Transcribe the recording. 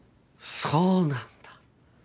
そうなんだ。